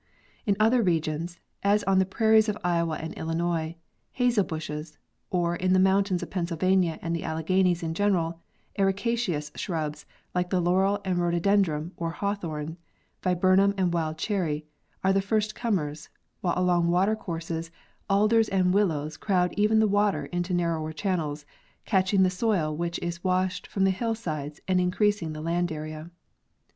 In other regions, as on the prairies of Iowa and Illinois, hazel bushes; or in the mountains of Pennsylvania and the Alle ehenies in general, ericaceous shrubs like the laurel and rhodo dendrons or hawthorn, viburnum and wild cherry are the first comers, while along water courses alders and willows crowd even the water into narrower channels, catching the soil which is washed from the hillsides and increasing the land area.